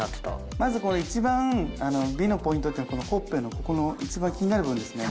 まずこの一番美のポイントっていうのがほっぺのここの一番気になる部分ですね。